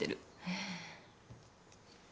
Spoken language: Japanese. ええ。